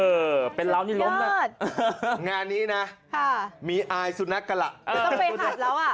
เออเป็นเรานี่ล้มงานนี้นะค่ะมีอายสุนัขกระหละเออต้องไปหัดแล้วอ่ะ